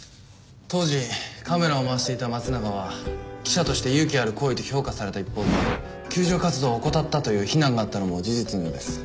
当時カメラを回していた松永は記者として勇気ある行為と評価された一方で救助活動を怠ったという非難があったのも事実のようです。